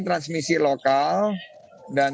transmisi lokal dan